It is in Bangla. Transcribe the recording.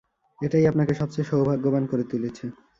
এটাই আপনাকে সবচেয়ে সৌভাগ্যবান করে তুলেছে।